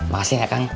makasih nek kang